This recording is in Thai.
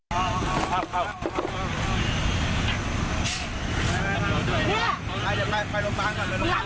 พ่อยชับด้านหน้ามาก